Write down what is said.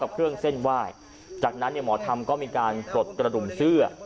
กับเครื่องเส้นว่ายจากนั้นหมอทำก็มีการกดกระดุมเสื้อ